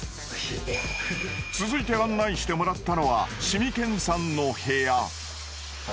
続いて案内してもらったのはしみけんさんの部屋。